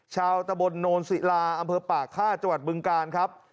ตะบนโนนศิลาอำเภอป่าฆ่าจังหวัดบึงกาลครับ